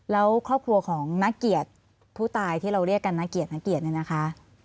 แล้วครอบครัวของนักเกียรติผู้ตายที่เราเรียกกันนักเกียรตินักเกียรติเนี่ยนะคะ